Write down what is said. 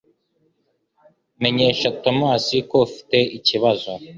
Menyesha Tomasi ko dufite ikibazo